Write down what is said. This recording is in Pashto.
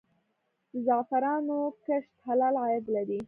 د زعفرانو کښت حلال عاید دی؟